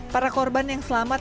para korban yang selamat